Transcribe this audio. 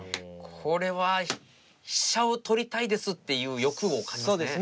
これは飛車を取りたいですっていう欲を感じますね。